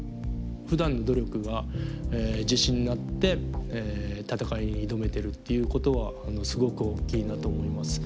ふだんの努力が自信になって戦いに挑めてるっていうことはすごく大きいなと思います。